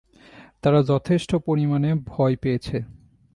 তারা যথেষ্ট পরিমাণে ভয় পেয়েছে।